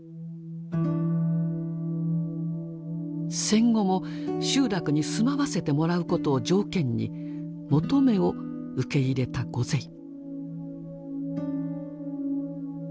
戦後も集落に住まわせてもらうことを条件に求めを受け入れたゴゼイ。